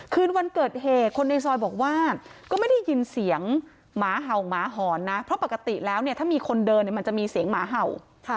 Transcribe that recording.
คืนวันเกิดเหตุคนในซอยบอกว่าก็ไม่ได้ยินเสียงหมาเห่าหมาหอนนะเพราะปกติแล้วเนี่ยถ้ามีคนเดินเนี่ยมันจะมีเสียงหมาเห่า